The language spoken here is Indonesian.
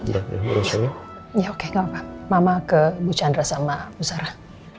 hai semoga berusaha ya oke mama ke bu chandra sama usahakan